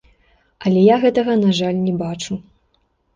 Але я гэтага, на жаль, не бачу.